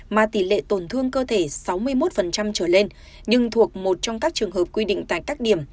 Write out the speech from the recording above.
mà tỷ lệ tổn thương cơ thể sáu mươi một trở lên nhưng thuộc một trong các trường hợp quy định tại các điểm